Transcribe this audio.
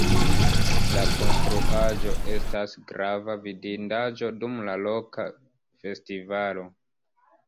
La konstruaĵo estas grava vidindaĵo dum la loka festivalo.